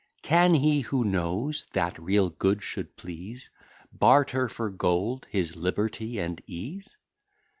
Can he, who knows that real good should please, Barter for gold his liberty and ease?"